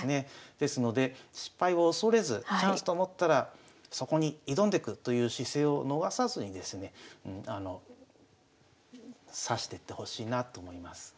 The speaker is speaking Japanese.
ですので失敗を恐れずチャンスと思ったらそこに挑んでくという姿勢を逃さずにですね指してってほしいなと思います。